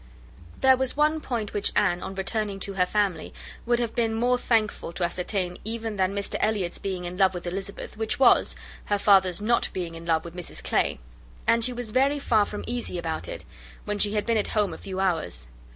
There was one point which Anne, on returning to her family, would have been more thankful to ascertain even than Mr Elliot's being in love with Elizabeth, which was, her father's not being in love with Mrs Clay; and she was very far from easy about it, when she had been at home a few hours.